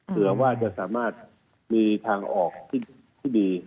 เผื่อว่าจะสามารถมีทางออกที่ดี